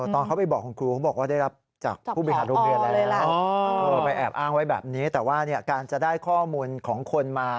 ตอนเขาไปบอกของครูเขาบอกว่าได้รับผู้บริหารโรงเรียน